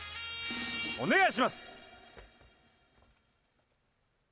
お願いします！